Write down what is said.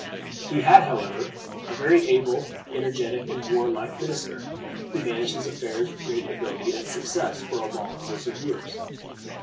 He had, however, a very able, energetic, and warlike minister, who managed his affairs with great ability and success for a long course of years.